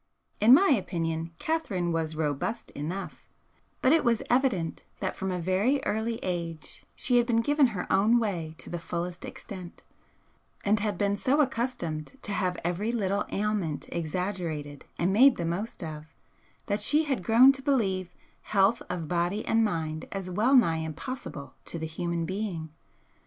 In my opinion Catherine was robust enough, but it was evident that from a very early age she had been given her own way to the fullest extent, and had been so accustomed to have every little ailment exaggerated and made the most of that she had grown to believe health of body and mind as well nigh impossible to the human being.